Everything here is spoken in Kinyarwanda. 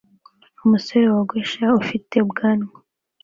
Umusore wogosha ufite ubwanwa